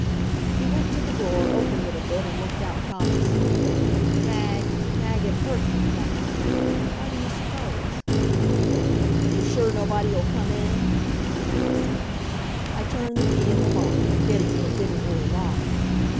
He went to the door, opened it a bit and looked out cautiously. Mag Mag it hurt me that. Why, do you suppose? "You're sure nobody'll come in?" he asked. I turned the key in the lock, forgetting that it didn't really lock.